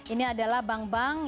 ini adalah bank bank